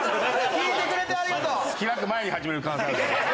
聞いてくれてありがとう！